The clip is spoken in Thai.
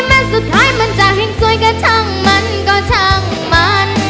สุดท้ายมันจะแห่งสวยก็ช่างมันก็ช่างมัน